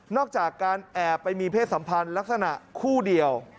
จากการแอบไปมีเพศสัมพันธ์ลักษณะคู่เดียว